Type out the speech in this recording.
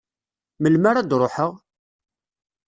Melmi ara d-ruḥeɣ?